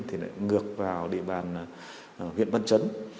thì lại ngược vào địa bàn huyện vân trấn